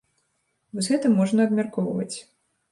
Вось гэта можна абмяркоўваць.